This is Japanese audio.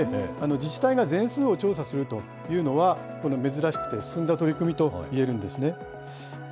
自治体が全数を調査するというのは、珍しくて、進んだ取り組みといえるんですね。